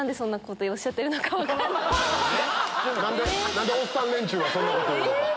「何でおっさん連中はそんなこと言うの？」。